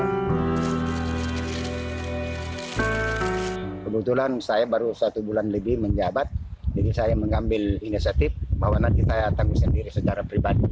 kepala desa mengambil inisiatif untuk menangani tanggung sendiri secara pribadi